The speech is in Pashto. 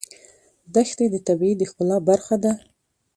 دښتې د طبیعت د ښکلا برخه ده.